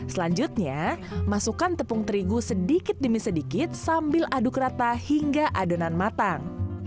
selanjutnya masukkan tepung terigu sedikit demi sedikit sambil aduk rata hingga adonan matang